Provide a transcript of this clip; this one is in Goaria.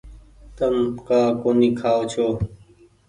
تم ڪآ ڪونيٚ کآئو ڇو۔